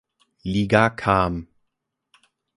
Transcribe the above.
Liga kam.